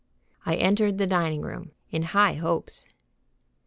I entered the dining room, in high hopes.